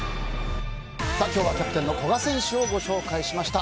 今日はキャプテンの古賀選手をご紹介しました。